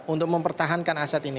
untuk mempertahankan aset ini